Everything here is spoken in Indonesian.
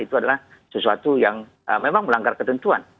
itu adalah sesuatu yang memang melanggar ketentuan